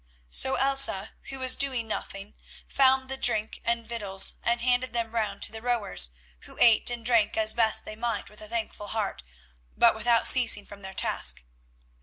So Elsa, who was doing nothing, found the drink and victuals, and handed them round to the rowers, who ate and drank as best they might with a thankful heart, but without ceasing from their task.